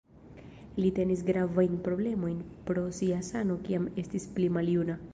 Li tenis gravajn problemojn pro sia sano kiam estis pli maljuna.